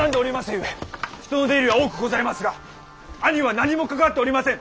ゆえ人の出入りは多くございますが兄は何も関わっておりません。